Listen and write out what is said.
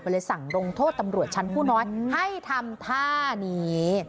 เลยสั่งลงโทษตำรวจชั้นผู้น้อยให้ทำท่านี้